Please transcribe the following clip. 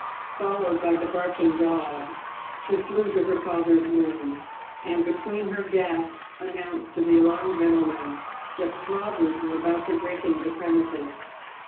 Followed by the barking dog, she flew to her father's room, and between her gasps announced to the alarmed gentleman that robbers were about to break into the premises.